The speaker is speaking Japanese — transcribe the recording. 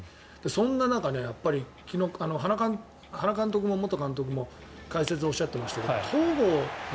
そんな中、昨日、原元監督も解説でおっしゃっていましたが戸郷